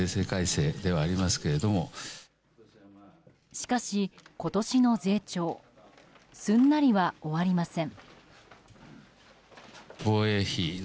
しかし、今年の税調すんなりは終わりません。